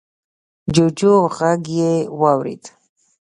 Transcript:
جوجو غږ يې واورېد.